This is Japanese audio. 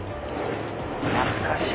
懐かしい！